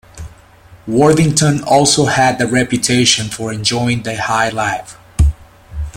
Worthington also had the reputation for enjoying the high life.